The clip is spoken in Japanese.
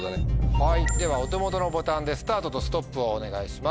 はいではお手元のボタンでスタートとストップをお願いします。